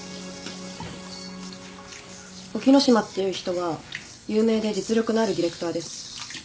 沖野島っていう人は有名で実力のあるディレクターです。